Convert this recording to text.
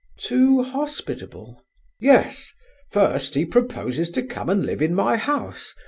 "Too hospitable?" "Yes. First, he proposes to come and live in my house.